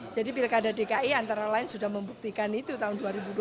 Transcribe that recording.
jadi pilkada dki antara lain sudah membuktikan itu tahun dua ribu dua belas